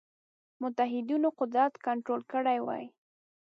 متحدینو قدرت کنټرول کړی وای.